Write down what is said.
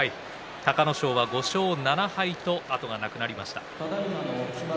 隆の勝は５勝７敗と後がなくなりました。